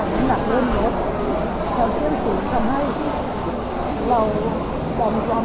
ยังหลักเรื่องเกิดแถวเชื่อมศูนย์ทำให้ที่เรากล่อมกล้อง